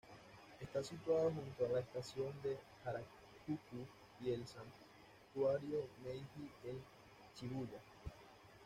Está situado junto a la Estación de Harajuku y el Santuario Meiji en Shibuya.